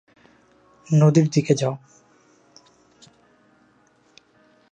নদীর দিকে যাও!